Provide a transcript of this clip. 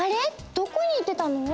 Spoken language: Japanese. どこに行ってたの？